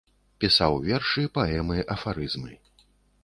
Пісаў вершы, паэмы, афарызмы.